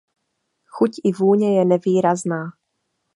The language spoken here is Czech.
Chuť i vůně je nevýrazná.